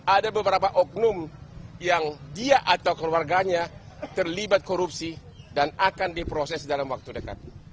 ada beberapa oknum yang dia atau keluarganya terlibat korupsi dan akan diproses dalam waktu dekat